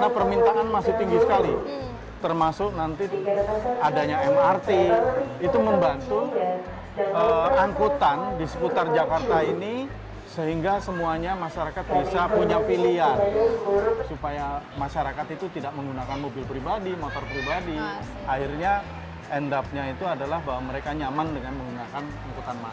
nah ini juga tinggi sekali termasuk nanti adanya mrt itu membantu angkutan di seputar jakarta ini sehingga semuanya masyarakat bisa punya pilihan supaya masyarakat itu tidak menggunakan mobil pribadi motor pribadi akhirnya end upnya itu adalah bahwa mereka nyaman dengan menggunakan angkutan masalah